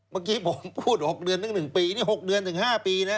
เมื่อกี้ผมพูด๖เดือนถึง๑ปีนี่๖เดือนถึง๕ปีนะ